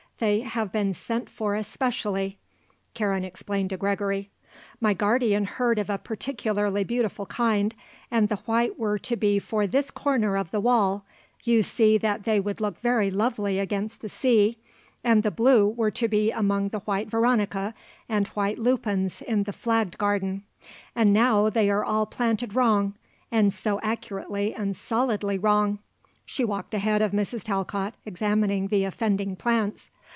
They have been sent for specially," Karen explained to Gregory. "My guardian heard of a particularly beautiful kind, and the white were to be for this corner of the wall, you see that they would look very lovely against the sea, and the blue were to be among the white veronica and white lupins in the flagged garden. And now they are all planted wrong, and so accurately and solidly wrong," she walked ahead of Mrs. Talcott examining the offending plants.